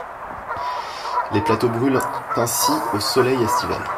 Les plateaux brûlent ainsi au soleil estival.